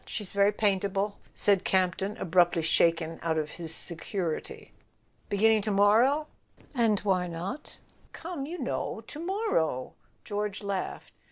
She's very paintable," said Camp ton, abruptly shaken out of his security. " Beginning to morrow ?" "Why not?" "Come, you know— to morrow /" George laughed.